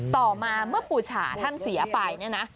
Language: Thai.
ต่อมาเมื่อปูฉาท่านเสียไปเนี่ยนะ